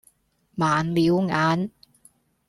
盲了眼